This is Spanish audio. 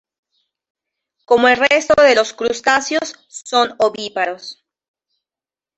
Como el resto de los crustáceos, son ovíparos.